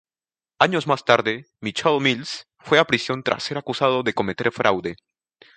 Años más tarde Michael Mills fue a prisión tras ser acusado de cometer fraude.